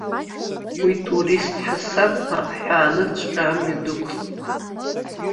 Уи турист ҳасабла аҳәаанырцәҟа амҩа дықәлеит.